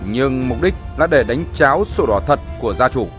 nhưng mục đích là để đánh cháo sổ đỏ thật của gia chủ